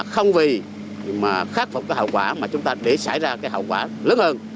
không vì khắc phục hậu quả mà chúng ta để xảy ra hậu quả lớn hơn